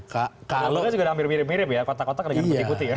kota kota juga hampir mirip ya dengan putih putih